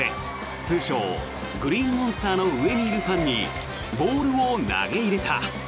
通称・グリーンモンスターの上にいるファンにボールを投げ入れた。